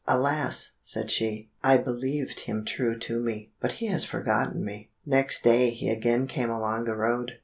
"Alas!" said she, "I believed him true to me, but he has forgotten me." Next day he again came along the road.